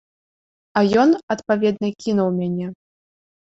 А ён, адпаведна, кінуў мяне.